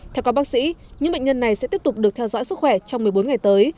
theo các bác sĩ những bệnh nhân này sẽ tiếp tục được theo dõi sức khỏe trong một mươi bốn ngày tới